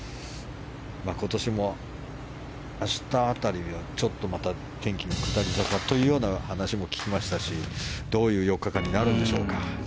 今年も明日辺りはちょっとまた、天気下り坂という話も聞きましたしどういう４日間になるんでしょうか。